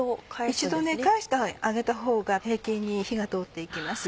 一度返してあげたほうが平均に火が通って行きます。